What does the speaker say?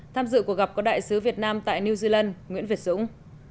tham dự cuộc gặp có đại sứ việt nam tại new zealand nguyễn việt dũng